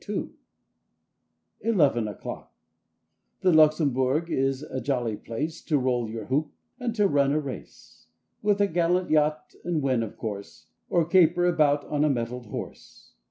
• TEN O'CLOCK 19 ELEVEN O'CLOCK T he Luxembourg is a jolly place To roll your hoop, and to run a race With a gallant yacht, and win, of course. Or caper about on a mettled horse!